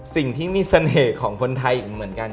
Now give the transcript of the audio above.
สิ่งที่มีเสน่ห์ของคนไทยอีกเหมือนกัน